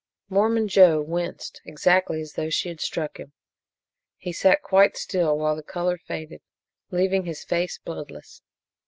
Mormon Joe winced, exactly as though she had struck him. He sat quite still while the color faded, leaving his face bloodless.